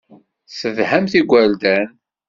Tessedhamt igerdan.